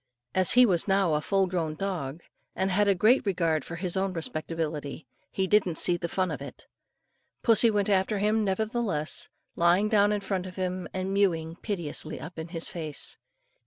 As he was now a full grown dog, and had a great regard for his own respectability, he didn't see the fun of it. Pussy went after him nevertheless, lying down in front of him, and mewing piteously up in his face.